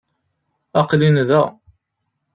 Aql-in da.